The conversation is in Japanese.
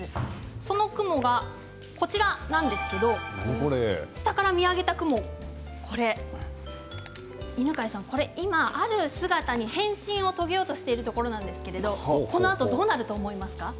その雲が、こちらなんですけど下から見上げた雲犬飼さん、これ今ある姿に変身を遂げようとしているところなんですけど、このあとどうなると思いますか？